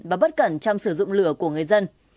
và bất cẩn trong sử dụng lửa của người dân